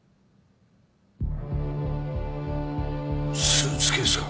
スーツケースか。